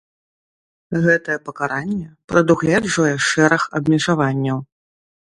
Гэтае пакаранне прадугледжвае шэраг абмежаванняў.